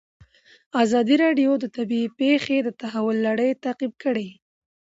ازادي راډیو د طبیعي پېښې د تحول لړۍ تعقیب کړې.